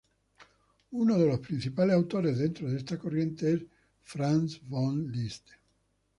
Uno de los principales autores dentro de esta corriente es Franz von Liszt.